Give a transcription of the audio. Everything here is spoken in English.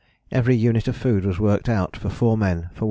Every unit of food was worked out for four men for one week.